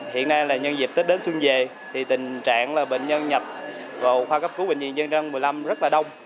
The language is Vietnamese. hiện nay là nhân dịp tết đến xuân về thì tình trạng là bệnh nhân nhập vào khoa cấp cứu bệnh viện nhân dân một mươi năm rất là đông